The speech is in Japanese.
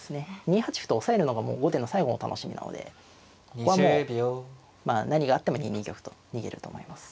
２八歩と押さえるのがもう後手の最後の楽しみなのでここはもうまあ何があっても２二玉と逃げると思います。